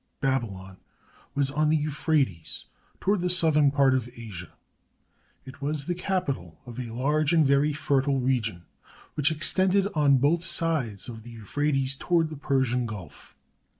Babylon was on the Euphrates, toward the southern part of Asia. It was the capital of a large and very fertile region, which extended on both sides of the Euphrates toward the Persian Gulf.